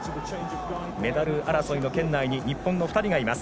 メダル争いの圏内に日本の２人がいます。